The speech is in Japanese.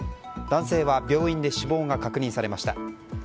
男性は病院で死亡が確認されました。